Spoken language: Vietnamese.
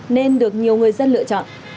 nên được nhiều người dân lựa chọn